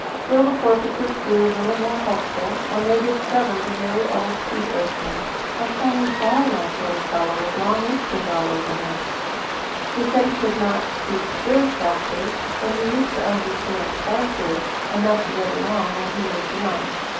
Still, the porpoises grew a little more hopeful when they discovered a very old sea urchin (a funny, ball like, little fellow with long whiskers all over him) who said he could not speak pure shellfish, but he used to understand starfish—enough to get along—when he was young.